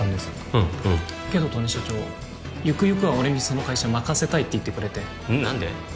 うんうんけど刀根社長ゆくゆくは俺にその会社任せたいって言ってくれてうん何で？